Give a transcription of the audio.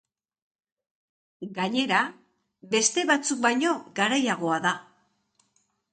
Gainera, beste batzuk baino garaiagoa da.